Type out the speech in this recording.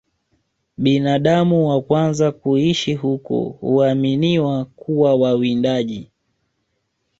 Binadamu wa kwanza kuishi huko huaminiwa kuwa wawindaji